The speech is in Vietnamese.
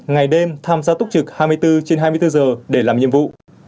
ngày đêm tham gia túc trực hai mươi bốn trên hai mươi bốn giờ để làm nhiệm vụ